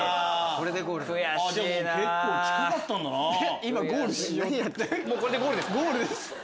これでゴールですからね。